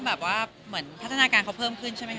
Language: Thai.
แบบว่าพัฒนาการเขาเพิ่มขึ้นใช่มั้ยคะ